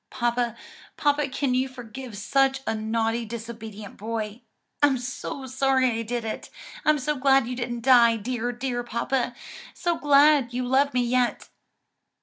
"Papa, papa, can you forgive such a naughty disobedient boy? I'm so sorry I did it! I'm so glad you didn't die, dear, dear papa! so glad you love me yet."